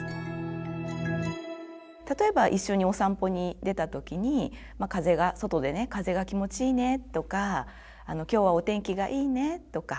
例えば一緒にお散歩に出た時に外でね「風が気持ちいいね」とか「今日はお天気がいいね」とか。